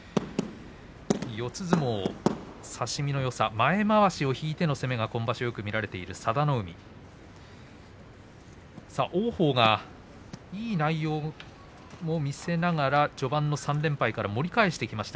四つ相撲差し身のよさ、前まわしを引いての攻めが今場所よく見られている佐田の海王鵬はいい内容を見せながら序盤の３連敗から盛り返してきました。